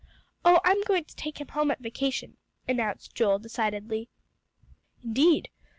"Oh, I'm going to take him home at vacation," announced Joel decidedly. "Indeed!